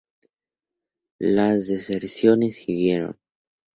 Las deserciones siguieron.